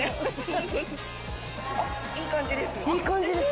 あいい感じです